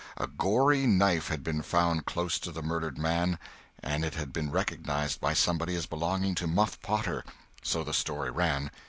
A gory knife had been found close to the murdered man, and it had been recognized by somebody as belonging to Muff Potter—so the story ran.